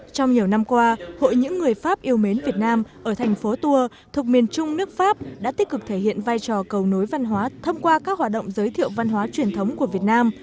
trong nhiều năm qua hội những người pháp yêu mến việt nam ở thành phố tour thuộc miền trung nước pháp đã tích cực thể hiện vai trò cầu nối văn hóa thông qua các hoạt động giới thiệu văn hóa truyền thống của việt nam